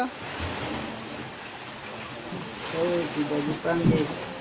oh tidak ada panggung